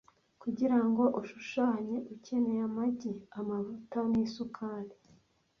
Kugira ngo ushushanye, ukeneye amagi, amavuta nisukari.